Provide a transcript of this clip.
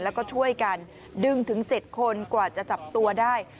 แล้วก็ช่วยกันดึงถึง๗คนกว่าจะจับตัวได้